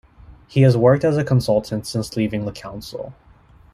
He has worked as a consultant since leaving the council.